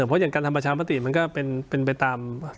เพราะอย่างการทำประชามติมันก็เป็นไปตาม